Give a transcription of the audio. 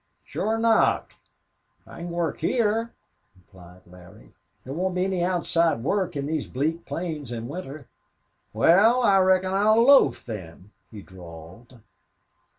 "Shore not. I can work heah," replied Larry. "There won't be any outside work on these bleak plains in winter." "Wal, I reckon I'll loaf, then," he drawled.